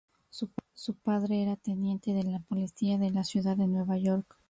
Su padre era teniente de la policía de la Ciudad de Nueva York.